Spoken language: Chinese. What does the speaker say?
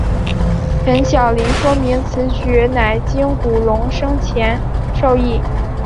陈晓林说明此举乃经古龙生前授意。